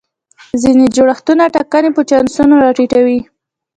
ځینې جوړښتونه ټاکنې په چانسونو را ټیټوي.